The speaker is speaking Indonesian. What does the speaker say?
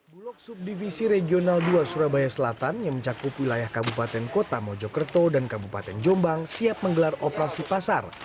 bulog subdivisi regional dua surabaya selatan yang mencakup wilayah kabupaten kota mojokerto dan kabupaten jombang siap menggelar operasi pasar